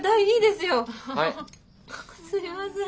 すいません。